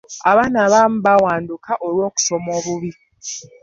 Abaana abamu baawanduka olw'okusoma obubi.